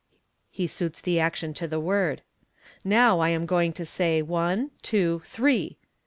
He suits the action to the word. " Now I am going to say, One, two, three